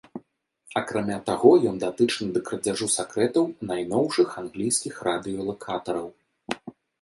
Акрамя таго ён датычны да крадзяжу сакрэтаў найноўшых англійскіх радыёлакатараў.